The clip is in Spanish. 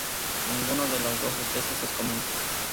Ninguna de las dos especies es común.